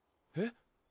えっ？